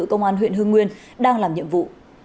công an huyện hưng nguyên đang làm nhiệm vụ